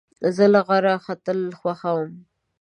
زه له غره ختل خوښوم.